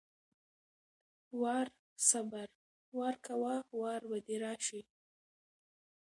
وار=صبر، وار کوه وار به دې راشي!